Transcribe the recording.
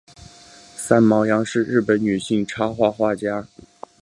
三毛央是日本女性插画家。